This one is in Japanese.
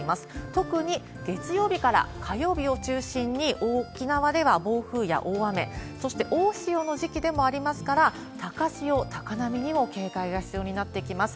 特に月曜日から火曜日を中心に沖縄では暴風や大雨、そして大潮の時期でもありますから、高潮、高波にも警戒が必要になってきます。